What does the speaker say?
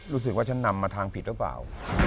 รู้สึกว่าฉันนำมาทางผิดหรือเปล่า